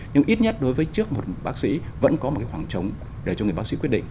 nhưng ít nhất đối với trước một bác sĩ vẫn có một khoảng trống để cho người bác sĩ quyết định